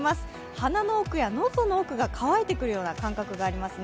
鼻の奥や喉の奥が乾いてくるような感覚がありますね。